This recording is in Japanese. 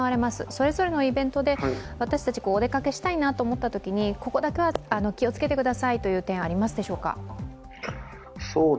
それぞれのイベントで私たちお出かけしたいなと思ったときにここだけは気をつけてくださいという点ありますでしょうか。